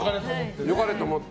良かれと思って。